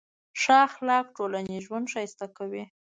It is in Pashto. ښه اخلاق ټولنیز ژوند ښایسته کوي.